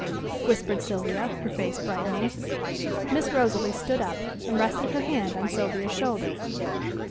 whispered Sylvia, her face brightening. Miss Rosalie stood up, and rested her hand on Sylvia's shoulder.